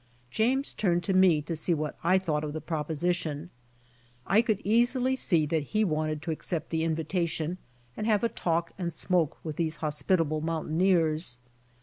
James turned to me to see what I thought of the proposition. I could easily see that he wanted to accept the invitation and have a talk and smoke with these hospitable mountaineers.